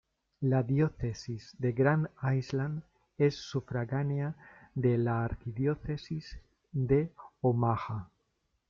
La Diócesis de Grand Island es sufragánea de la Arquidiócesis de Omaha.